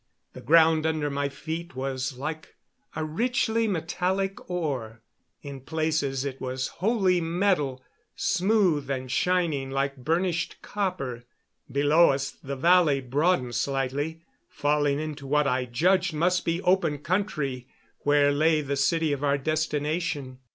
The ground under my feet was like a richly metallic ore. In places it was wholly metal, smooth and shining like burnished copper. Below us the valley broadened slightly, falling into what I judged must be open country where lay the city of our destination.